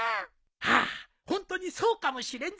ああホントにそうかもしれんぞ。